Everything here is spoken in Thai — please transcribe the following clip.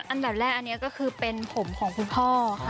อันดับแรกอันนี้ก็คือเป็นผมของคุณพ่อค่ะ